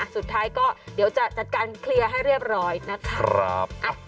สุดท้ายก็เดี๋ยวจะจัดการเคลียร์ให้เรียบร้อยนะคะ